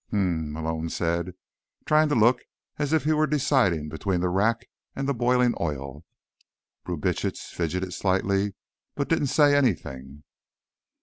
"Mmm," Malone said, trying to look as if he were deciding between the rack and the boiling oil. Brubitsch fidgeted slightly, but he didn't say anything.